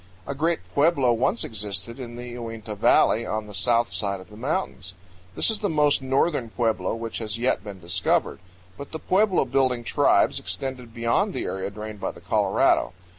A great pueblo once existed in the Uinta Valley on the south side of the mountains. This is the most northern pueblo which has yet been discovered. But the pueblo building tribes extended beyond the area drained by the Colorado.